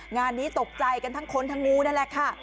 งานนี้ตกใจกันทั้งคนทั้งงูนั่นแหละค่ะ